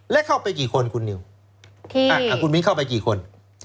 และเข้าไปกี่คนคุณนิวคุณมิ้นเข้าไปกี่คน